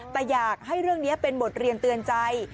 แต่อยากให้เรื่องนี้เป็นบทเรียนเตือนใจ